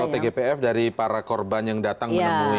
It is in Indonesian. atau tgpf dari para korban yang datang menemui